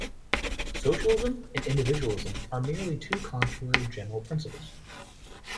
Socialism and individualism are merely two contrary general principles.